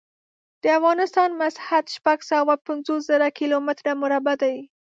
د افغانستان مسحت شپږ سوه پنځوس زره کیلو متره مربع دی.